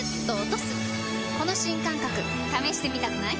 この新感覚試してみたくない？